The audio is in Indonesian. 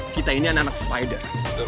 kita ini anak anak spider